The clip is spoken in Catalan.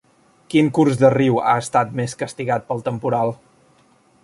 Quin curs de riu ha estat més castigat pel temporal?